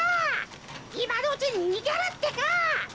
いまのうちににげるってか！